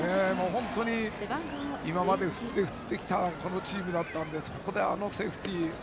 本当に今まで振ってきたチームだったのでそこで、あのセーフティー。